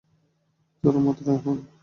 চরম মাত্রার হেঁয়ালি!